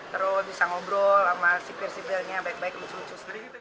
terus bisa ngobrol sama sipir sipilnya baik baik lucu lucu sendiri